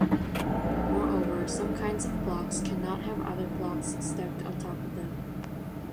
Moreover, some kinds of blocks cannot have other blocks stacked on top of them.